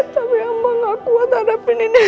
tapi amang akuat hadapi ini semua ya allah